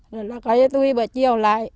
rồi là cái tôi bởi chiều lại